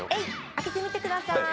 開けてみてください。